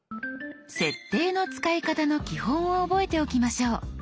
「設定」の使い方の基本を覚えておきましょう。